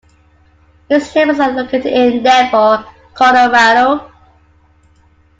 His chambers are located in Denver, Colorado.